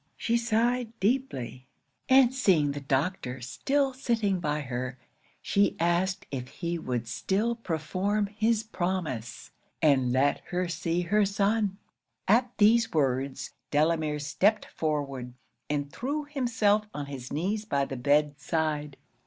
She sighed deeply; and seeing the doctor still sitting by her, she asked if he would still perform his promise, and let her see her son? 'At these words, Delamere stepped forward, and threw himself on his knees by the bed side.